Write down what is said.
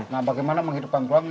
nah bagaimana menghidupkan ruang